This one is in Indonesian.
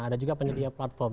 ada juga penyedia platform